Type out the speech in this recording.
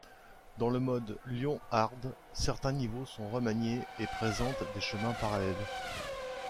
Dans le mode LionHard, certains niveaux sont remaniés et présentent des chemins parallèles.